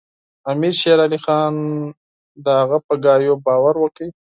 امیر شېر علي خان د هغه په خبرو باور وکړ.